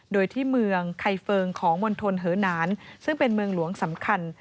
โดยที่เมืองไคเฟิร์งของมณฑลเหอนานซึ่งเป็นเมืองหลวงสำคัญ